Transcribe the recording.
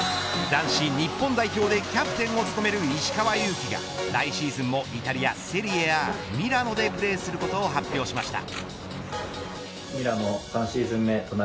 男子日本代表でキャプテンを務める石川祐希が来シーズンもイタリア、セリエＡ、ミラノでプレーすることを発表しました。